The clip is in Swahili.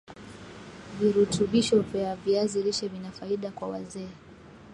Virutubisho vya viazi lishe vina faida kwa wazee